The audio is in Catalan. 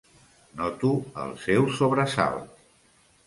Noto el seu sobresalt.